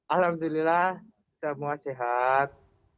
alhamdulillah semua sehat